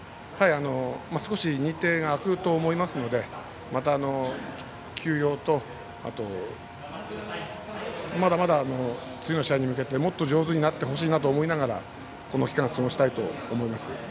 少し日程が空くと思いますのでまた、休養とまだまだ次の試合に向けてもっと上手になってほしいなと思いながらこの期間過ごしたいなと思います。